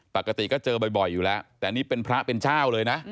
ปกติก็เจอบ่อยอยู่แล้วแต่นี่เป็นพระเป็นเจ้าเลยนะ